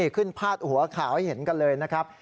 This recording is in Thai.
ขึ้นภาษาหัวข่าวให้เห็นกันเลยนะครับ